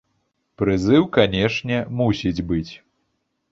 Прызыў, канечне, мусіць быць.